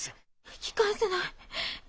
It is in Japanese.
引き返せない。